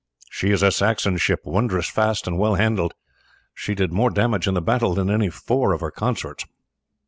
She is a Saxon ship, wondrous fast and well handled. She did more damage in the battle than any four of her consorts."